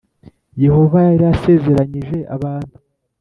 Yehova yari yarasezeranyije abantu .